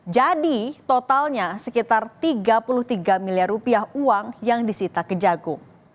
jadi totalnya sekitar tiga puluh tiga miliar rupiah uang yang disita kejagung